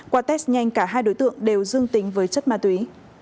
qua test nhanh cả hai đối tượng đều dương tính với chất ma túy